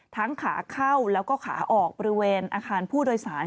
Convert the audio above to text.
ขาเข้าแล้วก็ขาออกบริเวณอาคารผู้โดยสาร